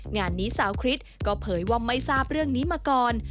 งานนี้สาวคริสก็เผยว่าไม่ทราบเรื่องนี้มาก่อน